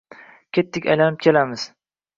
Kettik aylanib kelamiz.